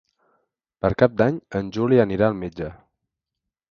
Per Cap d'Any en Juli anirà al metge.